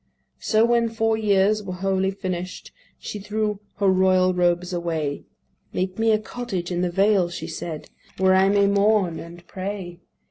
So when four years were wholly finished, She threw her royal robes away. "Make me a cottage in the vale," she said, "Where I may mourn and pray.